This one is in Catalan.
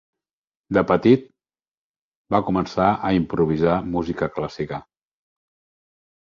De petit va començar a improvisar música clàssica.